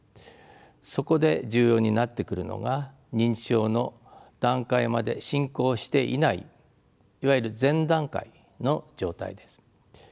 そこで重要になってくるのが認知症の段階まで進行していないいわゆる前段階の状態です。